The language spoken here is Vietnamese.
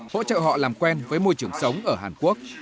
hỗ trợ họ làm quen với môi trường sống ở hàn quốc